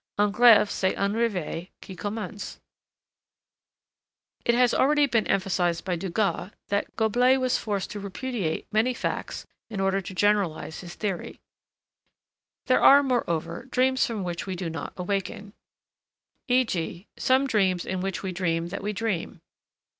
"Un rêve c'est un réveil qui commence." It has already been emphasized by Dugas that Goblet was forced to repudiate many facts in order to generalize his theory. There are, moreover, dreams from which we do not awaken, e.g., some dreams in which we dream that we dream.